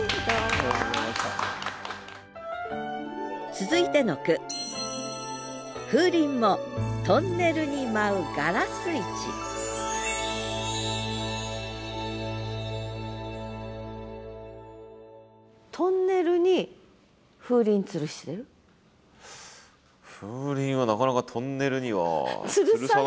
続いての句風鈴はなかなかトンネルにはつるさない。